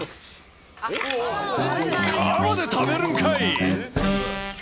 皮まで食べるんかい！